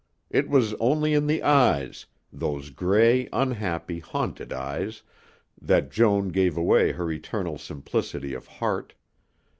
It was only in the eyes those gray, unhappy, haunted eyes that Joan gave away her eternal simplicity of heart.